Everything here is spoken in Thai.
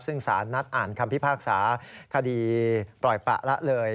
ซึ่งสารนัดอ่านคำพิพากษาคดีปล่อยปะละเลย